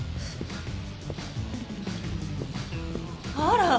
あら？